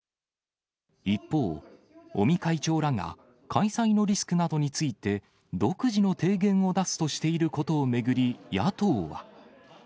一方、尾身会長らが開催のリスクなどについて、独自の提言を出すということにしていることを巡り、野党は。